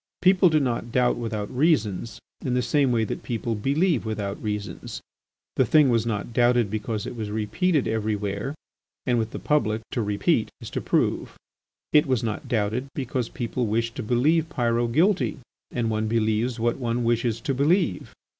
People do not doubt without reasons in the same way that people believe without reasons. The thing was not doubted because it was repeated everywhere and, with the public, to repeat is to prove. It was not doubted because people wished to believe Pyrot guilty and one believes what one wishes to believe.